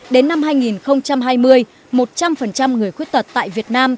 đến năm hai nghìn hai mươi một trăm linh người khuyết tật tại việt nam